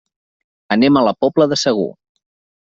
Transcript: Anem a la Pobla de Segur.